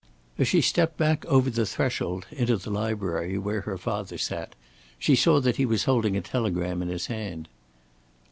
As she stepped back over the threshold into the library where her father sat, she saw that he was holding a telegram in his hand.